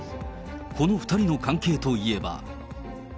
この２人の関係といえば。